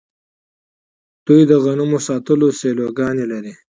دوی د غنمو د ساتلو سیلوګانې لري.